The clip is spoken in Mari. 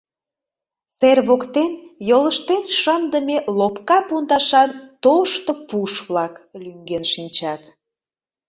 Сер воктен йолыштен шындыме лопка пундашан тошто пуш-влак лӱҥген шинчат.